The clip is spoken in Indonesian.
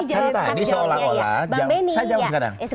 kan tadi seolah olah saya jawab sekarang